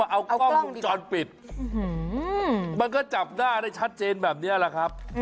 เอากล้องวงจรปิดมันก็จับหน้าได้ชัดเจนแบบนี้แหละครับ